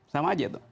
sama aja tuh